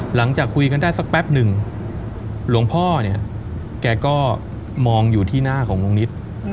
หลังจากคุยกันได้สักแป๊บหนึ่งหลวงพ่อเนี่ยแกก็มองอยู่ที่หน้าของลุงนิด